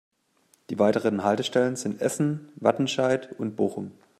Die weiteren Haltestellen sind Essen, Wattenscheid und Bochum.